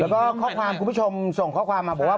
แล้วก็ข้อความคุณผู้ชมส่งข้อความมาบอกว่า